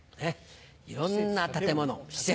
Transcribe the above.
いろんな建物施設。